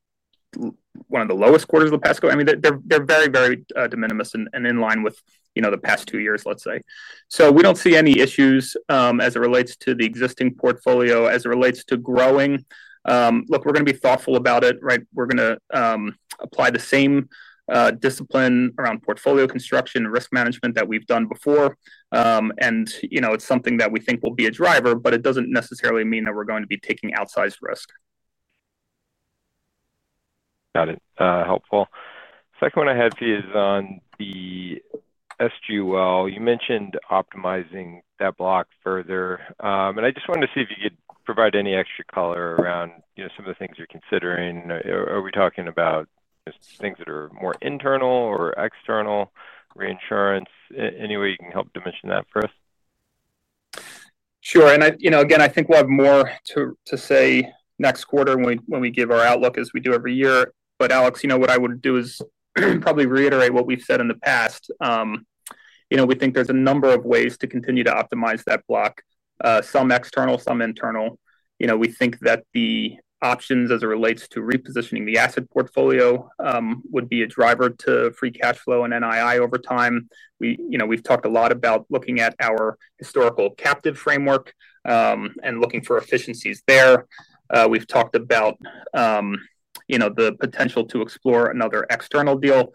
one of the lowest quarters of the past. They're very, very de minimis and in line with the past two years, let's say. We don't see any issues as it relates to the existing portfolio, as it relates to growing. Look, we're going to be thoughtful about it. We're going to apply the same discipline around portfolio construction risk management that we've done before. It's something that we think will be a driver, but it doesn't necessarily mean that we're going to be taking outsized risk. Got it. Helpful. Second one I had for you is on the SG. You mentioned optimizing that block further, and I just wanted to see if you could provide any extra color around some of the things you're considering. Are we talking about things that are more internal or external reinsurance? Any way you can help dimension that for us? Sure, I think we'll have more. To say next quarter when we give our outlook as we do every year, Alex, what I would do is probably reiterate what we've said in the past. We think there's a number of ways to continue to optimize that block, some external, some internal. We think that the options as it relates to repositioning the asset portfolio would be a driver to free cash flow and NII over time. We've talked a lot about looking at our historical captive framework. Looking for efficiencies there. We've talked about the potential to explore another external deal.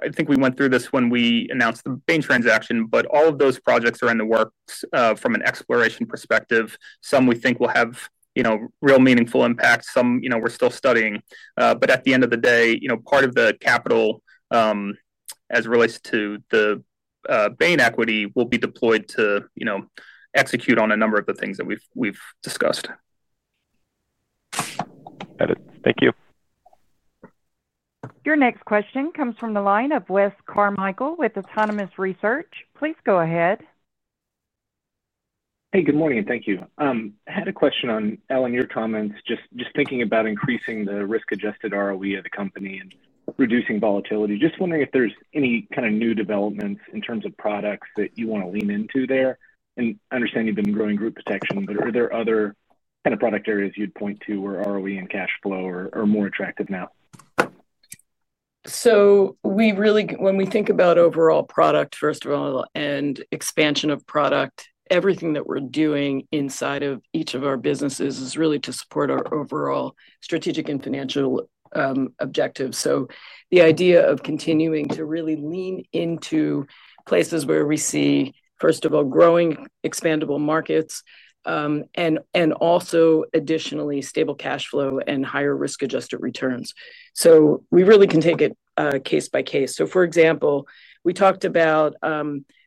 I think we went through this when we announced the Bain transaction, but all of those projects are in the work from an exploration perspective. Some we think will have real meaningful impact. Some we're still studying, but at the end of the day, part of the capital as relates to the Bain equity will be deployed to execute on a number of the things that we've discussed. Thank you. Your next question comes from the line of Wes Carmichael with Autonomous Research. Please go ahead. Good morning and thank you. I had a question on Ellen, your comments. Just thinking about increasing the risk-adjusted ROE of the company and reducing volatility. I'm wondering if there's any kind of new developments in terms of products that you want to lean into there. I understand you've been growing group protection, but are there other kind of product areas you'd point to where ROE and cash flow are more attractive now? When we think about overall product, first of all, and expansion of product, everything that we're doing inside of each of our businesses is really to support our overall strategic and financial objectives. The idea of continuing to really lean into places where we see, first of all, growing expandable markets and also, additionally, stable cash flow and higher risk-adjusted returns. We really can take it case by case. For example, we talked about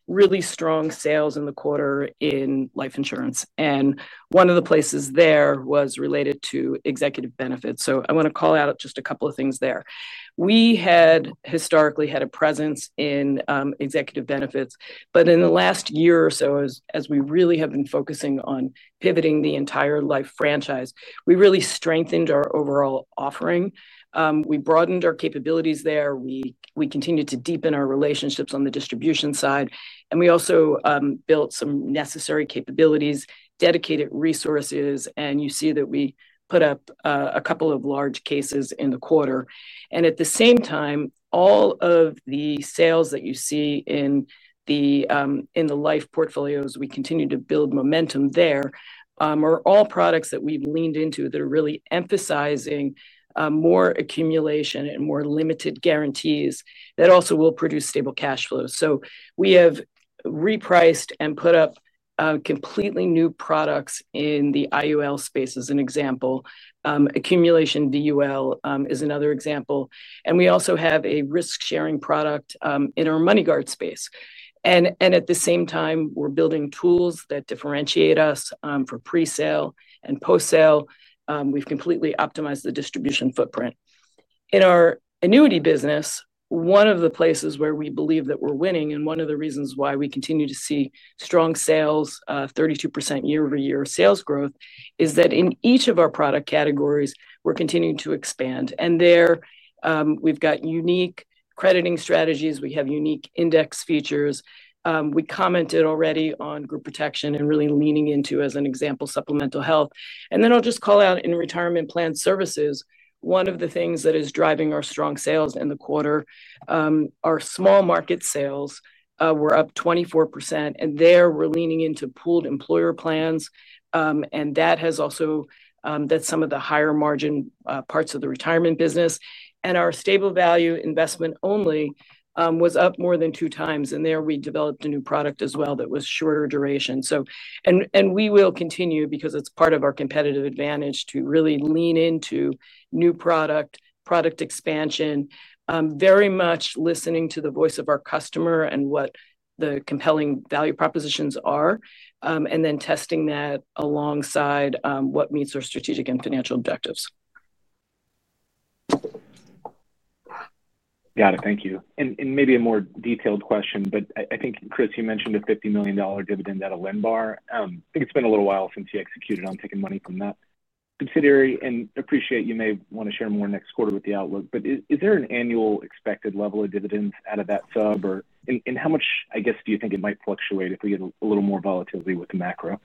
really strong sales in the quarter in life insurance, and one of the places there was related to executive benefits. I want to call out just a couple of things there. We had historically had a presence in executive benefits, but in the last year or so, as we really have been focusing on pivoting the entire Life franchise, we really strengthened our overall offering. We broadened our capabilities there, continued to deepen relationships on the distribution side, and also built some necessary capabilities, dedicated resources, and you see that we put up a couple of large cases in the quarter. At the same time, all of the sales that you see in the life portfolios, we continue to build momentum. These are all products that we've leaned into that are really emphasizing more accumulation and more limited guarantees that also will produce stable cash flow. We have repriced and put up completely new products in the IUL space as an example. Accumulation VUL is another example. We also have a risk sharing product in our MoneyGuard space. At the same time, we're building tools that differentiate us for pre-sale and post-sale. We've completely optimized the distribution footprint in our annuity business. One of the places where we believe that we're winning and one of the reasons why we continue to see strong sales, 32% year-over-year sales growth, is that in each of our product categories we're continuing to expand, and there we've got unique crediting strategies, we have unique index features. We commented already on group protection and really leaning into, as an example, supplemental health. I'll just call out in retirement plan services, one of the things that is driving our strong sales in the quarter, our small market sales were up 24%, and there we're leaning into pooled employer plans, and that has also some of the higher margin parts of the retirement business. Our stable value investment only was up more than two times, and there we developed a new product as well that was shorter duration. We will continue, because it's part of our competitive advantage, to really lean into new product expansion, very much listening to the voice of our customer and what the compelling value propositions are, and then testing that alongside what meets our strategic and financial objectives. Got it. Thank you. Maybe a more detailed question, but I think Chris, you mentioned a $50 million dividend out of LNBAR. I think it's been a little while since you executed on taking money from that subsidiary. I appreciate you may want to share more next quarter with the outlook, but is there an annual expected level of dividends out of that sub, or how much do you think it might fluctuate if we get a little more volatility with the macro?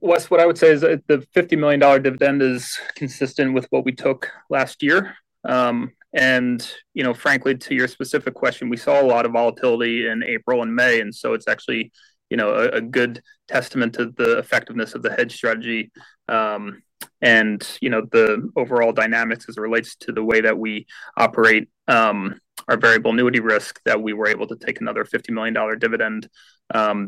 Wes, what I would say is the $50 million dividend is consistent with what we took last year. Frankly, to your specific question, we saw a lot of volatility in April and May. It's actually a good testament to the effectiveness of the hedge strategy and the overall dynamics as it relates to the way that we operate our variable annuity risk that we were able to take another $50 million dividend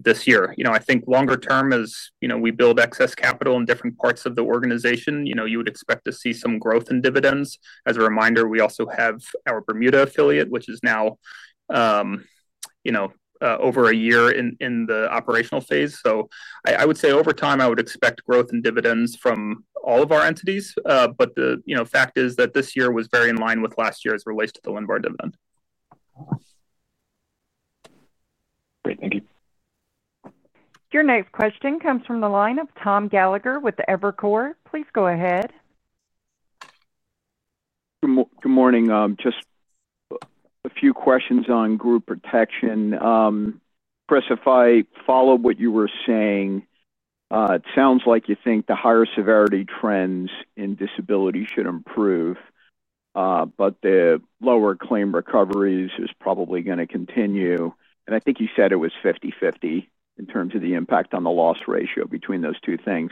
this year. I think longer term, as we build excess capital in different parts of the organization, you would expect to see some growth in dividends. As a reminder, we also have our Bermuda affiliate, which is now over a year in the operational phase. I would say over time I would expect growth in dividends from all of our entities. The fact is that this year was very in line with last year as it relates to the Linbar dividend. Great, thank you. Your next question comes from the line of Tom Gallagher with Evercore. Please go ahead. Good morning. Just a few questions on group protection. Chris, if I follow what you were saying, it sounds like you think the higher severity trends in disability should improve, but the lower claim recoveries is probably going to continue. I think you said it was 50/50 in terms of the impact on the loss ratio between those two things.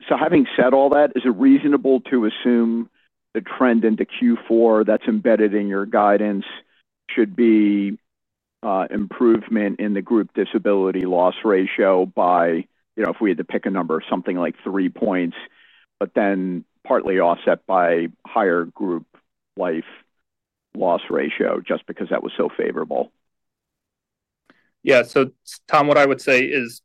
Having said all that, is it reasonable to assume the trend into Q4 that's embedded in your guidance should be improvement in the group disability loss ratio by, you know, if we had to pick a number, something like 3 points, but then partly offset by higher group life loss ratio just because that was so favorable. Yeah. Tom, what I would say is,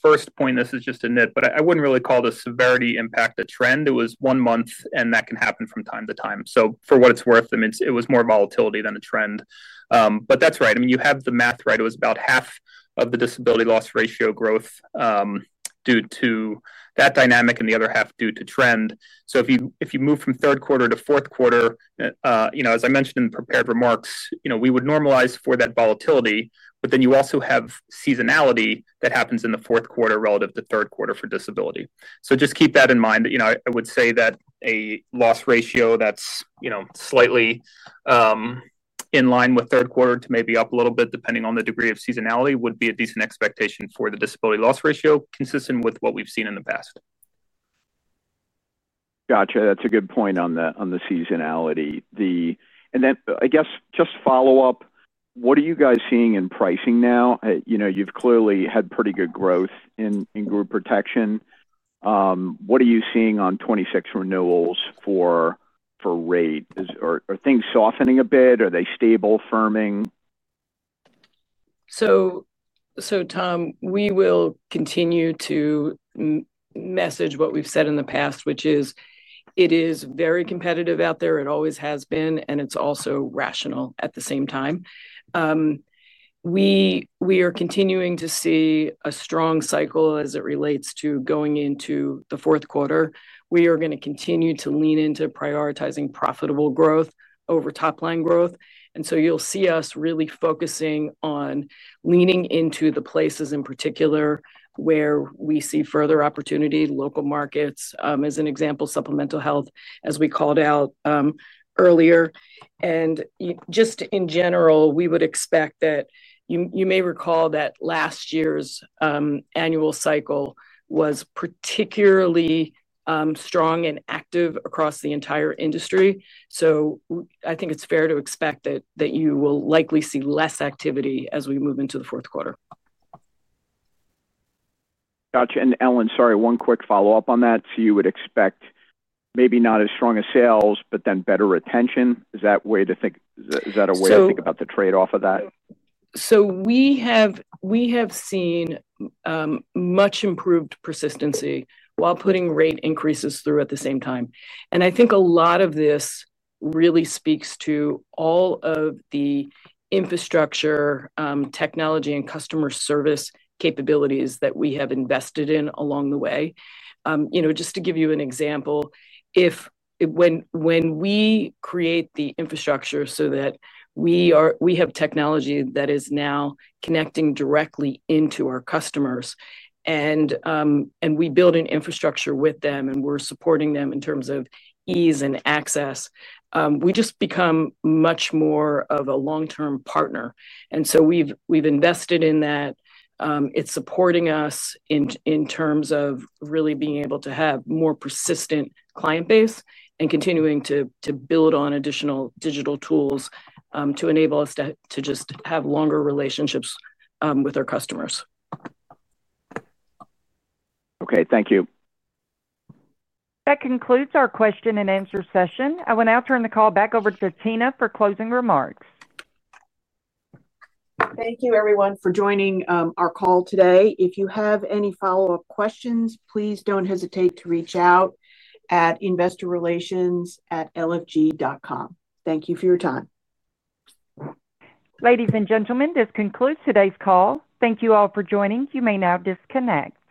first point, this is just a nit, but I wouldn't really call this severity impact a trend. It was one month and that can happen from time to time. For what it's worth, it was more volatility than a trend. That's right. You have the math right. It was about half of the disability loss ratio growth due to that dynamic and the other half due to trend. If you move from third quarter. To fourth quarter, as I mentioned in prepared remarks, we would normalize for that volatility. You also have seasonality that happens in the fourth quarter relative to third quarter for disability. Just keep that in mind. I would say that a loss ratio that's slightly in line with third quarter to maybe up a little bit depending on the degree of seasonality would be a decent expectation for the disability loss ratio consistent with what we've seen in the past. Gotcha. That's a good point on the seasonality. I guess just follow up, what are you guys seeing in pricing now? You know, you've clearly had pretty good growth in group protection. What are you seeing on 2026 renewals for rate? Are things softening a bit? Are they stable or firming? Tom, we will continue to message what we've said in the past, which is it is very competitive out there, it always has been and it's also rational. At the same time, we are continuing to see a strong cycle as it relates to going into the fourth quarter. We are going to continue to lean into prioritizing profitable growth over top line growth, so you'll see us really focusing on leaning into the places in particular where we see further opportunity. Local markets as an example, supplemental health, as we called out earlier. In general, we would expect that you may recall that last year's annual cycle was particularly strong and active across the entire industry. I think it's fair to expect that you will likely see less activity as we move into the fourth quarter. Gotcha. Ellen, sorry, one quick follow up on that. You would expect maybe not as strong as sales, but then better retention. Is that a way to think about the trade off of that? We have seen much improved persistency while putting rate increases through at the same time. I think a lot of this really speaks to all of the infrastructure, technology, and customer service capabilities that we have invested in along the way. Just to give you an example, when we create the infrastructure so that we have technology that is now connecting directly into our customers and we build an infrastructure with them and we're supporting them in terms of ease and access, we just become much more of a long-term partner. We have invested in that. It's supporting us in terms of really being able to have a more persistent client base and continuing to build on additional digital tools to enable us to just have longer relationships with our customers. Okay, thank you. That concludes our question and answer session. I will now turn the call back over to Tina for closing remarks. Thank you everyone for joining our call today. If you have any follow up questions, please don't hesitate to reach out at investorrelations.lfg.com. Thank you for your time. Ladies and gentlemen, this concludes today's call. Thank you all for joining. You may now disconnect.